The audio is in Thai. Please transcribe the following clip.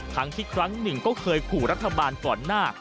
ทั้งที่ครั้งหนึ่งก็เคยขู่รัฐบาลก่อนหน้า